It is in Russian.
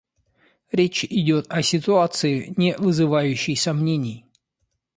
Речь идет о ситуации, не вызывающей сомнений.